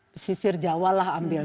pesisir jawa lah ambil